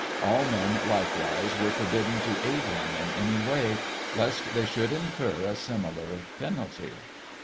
All men, likewise, were forbidden to aid him in any way, lest they should incur a similar penalty.